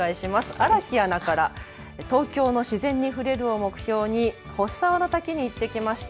荒木アナから東京の自然に触れるを目標に払沢の滝に行ってました。